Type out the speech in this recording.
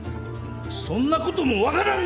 そんなことも分からんのか！